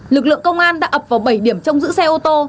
lực lượng công an đã ập vào bảy điểm trông giữ xe ô tô